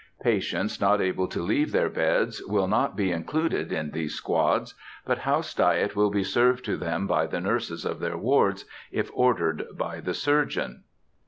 Patients not able to leave their beds will not be included in these squads, but house diet will be served to them by the nurses of their wards, if ordered by the surgeon.